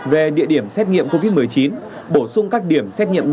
về địa điểm xét nghiệm covid một mươi chín bổ sung các điểm xét nghiệm